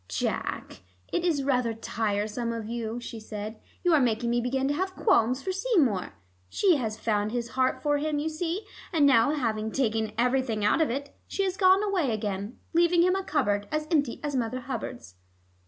"Jack, it is rather tiresome of you," she said. "You are making me begin to have qualms for Seymour. She had found his heart for him, you see, and now having taken everything out of it, she has gone away again, leaving him a cupboard as empty as Mother Hubbard's."